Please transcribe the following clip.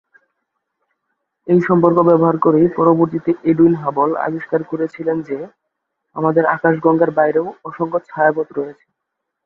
এই সম্পর্ক ব্যবহার করেই পরবর্তীতে এডুইন হাবল আবিষ্কার করেছিলেন যে, আমাদের আকাশগঙ্গার বাইরেও অসংখ্য ছায়াপথ রয়েছে।